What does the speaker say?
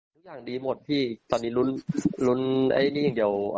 ทุกอย่างดีหมดพี่ตอนนี้ลุ้นลุ้นไอ้นี่อย่างเดียว